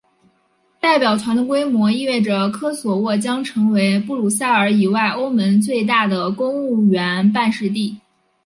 代表团的规模意味着科索沃将成为布鲁塞尔以外欧盟最大的公务员办事地。